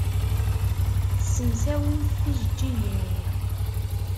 Tessemsawimt tijejjigin-nni.